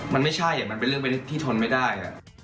มันไม่ใช่มันเป็นเรื่องที่ทนไม่ได้